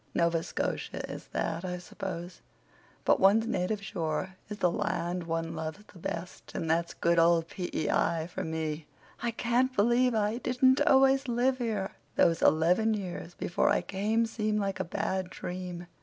"Nova Scotia is that, I suppose. But one's native shore is the land one loves the best, and that's good old P.E.I. for me. I can't believe I didn't always live here. Those eleven years before I came seem like a bad dream.